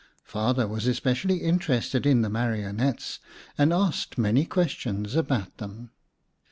Father was especially interested in the marionettes and asked many questions about them.